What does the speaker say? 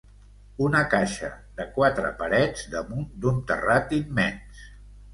Una caixa de quatre parets damunt d’un terrat immens.